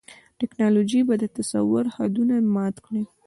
ټیکنالوژي به د تصور حدونه مات کړي.